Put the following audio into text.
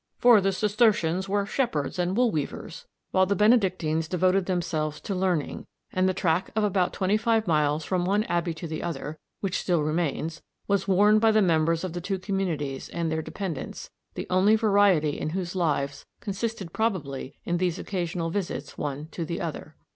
For the Cistercians were shepherds and wool weavers, while the Benedictines devoted themselves to learning, and the track of about twenty five miles from one abbey to the other, which still remains, was worn by the members of the two communities and their dependents, the only variety in whose lives consisted probably in these occasional visits one to the other.